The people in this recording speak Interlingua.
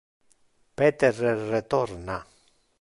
Peter retorna.